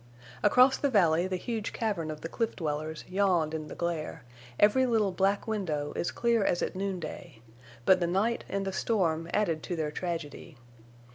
Across the valley the huge cavern of the cliff dwellers yawned in the glare, every little black window as clear as at noonday; but the night and the storm added to their tragedy.